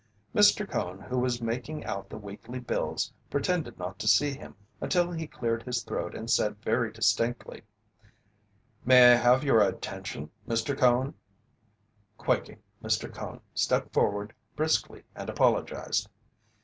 Mr. Cone, who was making out the weekly bills, pretended not to see him until he cleared his throat and said very distinctly: "May I have your attention, Mr. Cone?" Quaking, Mr. Cone stepped forward briskly and apologized.